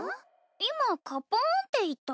今カポーンって言った？